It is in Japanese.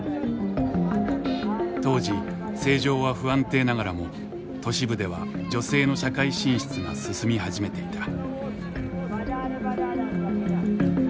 当時政情は不安定ながらも都市部では女性の社会進出が進み始めていた。